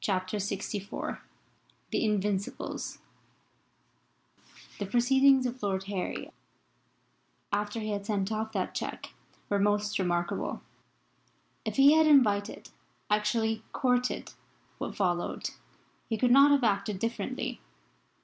CHAPTER LXIV THE INVINCIBLES THE proceedings of Lord Harry after he had sent off that cheque were most remarkable. If he had invited actually courted what followed he could not have acted differently.